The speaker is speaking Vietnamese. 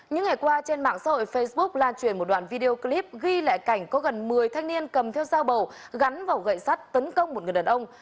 những ngày qua trên mạng xã hội facebook lan truyền một đoạn video clip ghi lại cảnh có gần một mươi thanh niên cầm theo dao bầu gắn vào gậy sắt tấn công một người đàn ông